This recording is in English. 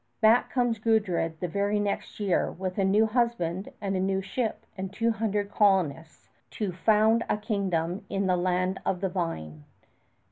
Back comes Gudrid the very next year, with a new husband and a new ship and two hundred colonists to found a kingdom in the "Land of the Vine."